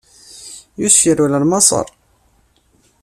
Yusef yerwel ɣer Maṣer.